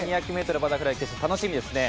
２００ｍバタフライ決勝楽しみですよね。